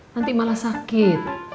nanti malah sakit